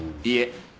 いえ。